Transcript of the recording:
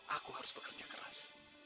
aku harus bekerja keras